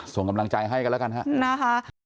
ส่งกำลังใจให้กันแล้วกันครับนะคะ